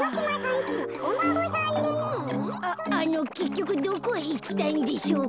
あのけっきょくどこへいきたいんでしょうか。